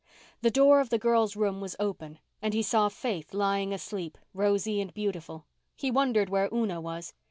The door of the girls' room was open and he saw Faith lying asleep, rosy and beautiful. He wondered where Una was.